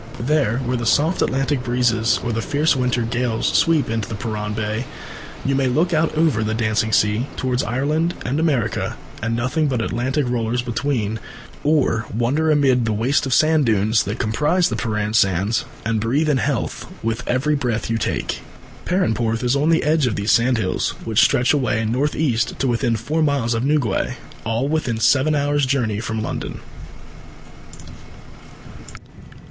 There, where the soft Atlantic breezes or the fierce winter gales sweep in to Perran Bay, you may look out over the dancing sea towards Ireland and America with nothing but Atlantic rollers between, or wander amid the waste of sand dunes that comprise the Perran Sands and breathe in health with every breath you take. Perranporth is on the edge of these sandhills, which stretch away north east to within four miles of Newquay all within seven hours' journey from London.